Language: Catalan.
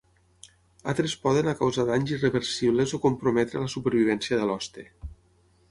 Altres poden a causar danys irreversibles o comprometre la supervivència de l'hoste.